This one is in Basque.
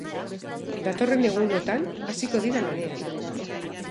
Datorren egunotan hasiko dira lanean.